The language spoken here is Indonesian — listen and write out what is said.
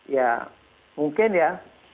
ya mungkin ya